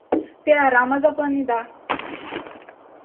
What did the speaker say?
— Те арам азапланеда.